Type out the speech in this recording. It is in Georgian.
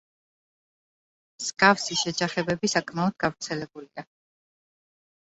მსგავსი შეჯახებები საკმაოდ გავრცელებულია.